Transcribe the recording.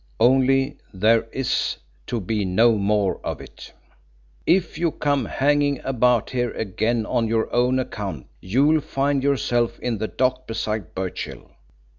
Only there is to be no more of it. If you come hanging about here again on your own account, you'll find yourself in the dock beside Birchill.